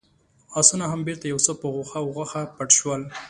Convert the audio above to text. آسونه هم بېرته يو څه په غوښه پټ شول.